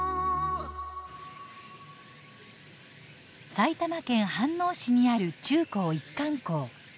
埼玉県飯能市にある中高一貫校。